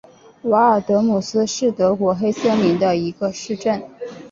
瓦尔德姆斯是德国黑森州的一个市镇。